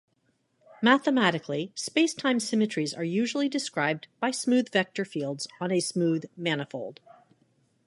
Mathematically, spacetime symmetries are usually described by smooth vector fields on a smooth manifold.